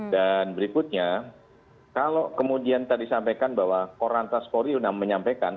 dan berikutnya kalau kemudian tadi disampaikan bahwa koran transpori yang menampilkan